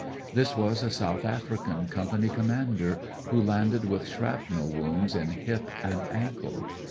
This was a South African Company Commander who landed with shrapnel woi:nds in hip and ankle.